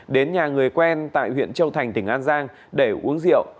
đến nhà người quen tại huyện châu thành tỉnh an giang để uống rượu